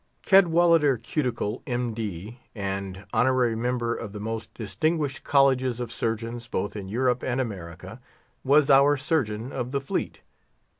Cadwallader Cuticle, M. D., and Honorary Member of the most distinguished Colleges of Surgeons both in Europe and America, was our Surgeon of the Fleet.